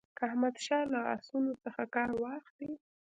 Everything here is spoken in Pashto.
که احمدشاه له آسونو څخه کار واخلي.